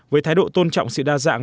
với thái độ tôn trọng sự đa dạng